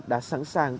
đã sẵn sàng